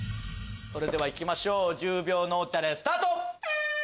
それではいきましょう１０秒脳チャレスタート！